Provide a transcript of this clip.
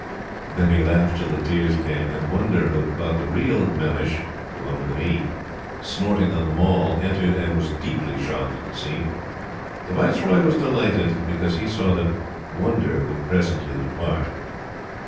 Then he laughed till the tears came, and Wonder, who had caught the real Mellishe snorting on the Mall, entered and was deeply shocked at the scene. But the Viceroy was delighted, because he saw that Wonder would presently depart.